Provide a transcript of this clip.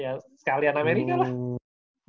ya sekalian amerika lah